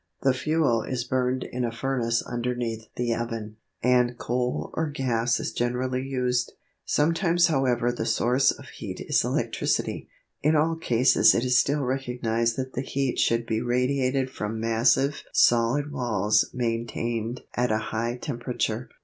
The fuel is burned in a furnace underneath the oven, and coal or gas is generally used. Sometimes however the source of heat is electricity. In all cases it is still recognised that the heat should be radiated from massive solid walls maintained at a high temperature.